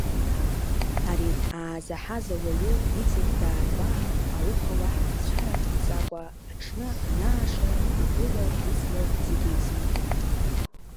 Ари аазаҳаз ауаҩы иҵегь даргәаан, ауха уаҳа цәара ҟамҵакәа, аҽны анааша, игәыла-изла зегьы еизигеит.